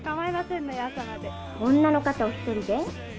女の方お一人で？